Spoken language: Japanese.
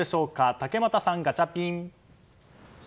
竹俣さん、ガチャピン。